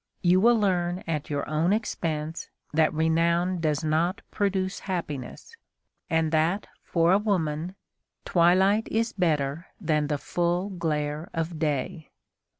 You will learn at your own expense that renown does not produce happiness, and that, for a woman, twilight is better than the full glare of day.